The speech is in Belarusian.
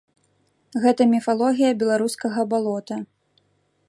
Гэта міфалогія беларускага балота.